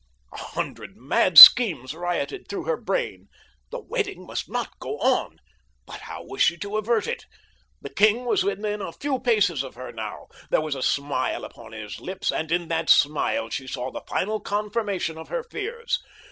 A hundred mad schemes rioted through her brain. The wedding must not go on! But how was she to avert it? The king was within a few paces of her now. There was a smile upon his lips, and in that smile she saw the final confirmation of her fears.